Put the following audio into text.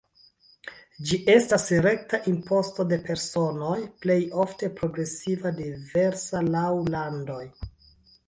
Ĝi estas rekta imposto de personoj, plej ofte progresiva, diversa laŭ landoj.